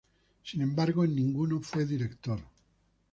Sin embargo, en ninguno fue director.